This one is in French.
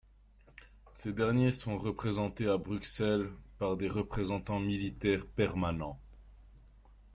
Ces derniers sont représentés à Bruxelles par des représentants militaires permanents.